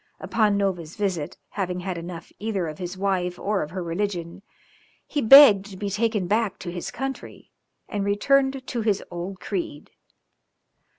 Upon Nova's visit, having had enough either of his wife or of her religion, he begged to be taken back to his country, and returned to his old creed.